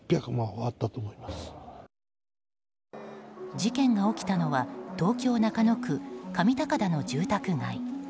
事件が起きたのは東京・中野区上高田の住宅街。